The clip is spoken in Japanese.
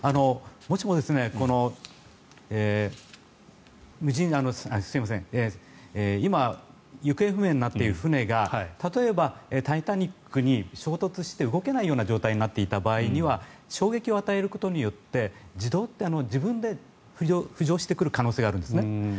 もしも今、行方不明になっている船が例えば、「タイタニック」に衝突して動けないような状態になっていた場合には衝撃を与えることによって自分で浮上してくる可能性があるんですね。